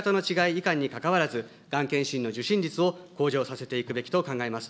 いかんにかかわらず、がん検診の受診率を向上させていくべきと考えます。